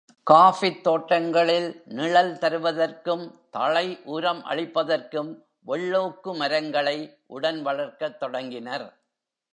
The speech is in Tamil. காஃபித் தோட்டங்களில் நிழல் தருவதற்கும், தழை உரம் அளிப்பதற்கும் வெள்ளோக்கு மரங்களை உடன் வளர்க்கத் தொடங்கினர்.